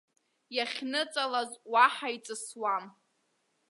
Иахьныҵалаз уаҳа иҵысуам.